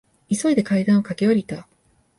急いで階段を駆け下りた。